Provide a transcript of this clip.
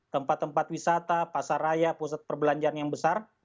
tempat tempat wisata pasar raya pusat perbelanjaan yang besar